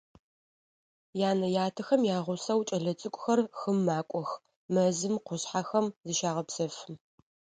Янэ-ятэхэм ягъусэу кӏэлэцӏыкӏухэр хым макӏох, мэзым, къушъхьэм зыщагъэпсэфы.